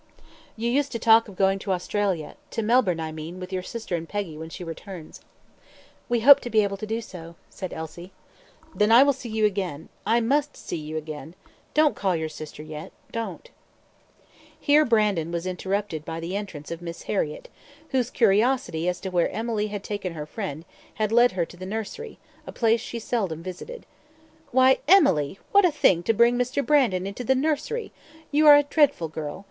"You used to talk of going to Australia to Melbourne, I mean with your sister and Peggy, when she returns." "We hope to be able to do so," said Elsie. "Then I will see you again I must see you again. Don't call your sister yet don't." Here Brandon was interrupted by the entrance of Miss Harriett, whose curiosity as to where Emily had taken her friend had led her to the nursery, a place she seldom visited. "Why, Emily, what a thing to bring Mr. Brandon into the nursery! You are a dreadful girl!